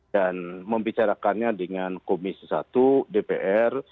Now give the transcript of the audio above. dan membicarakannya dengan komisi satu dpr